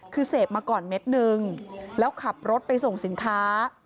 คือเสพมาก่อนเม็ดนึงแล้วขับรถไปส่งสินค้า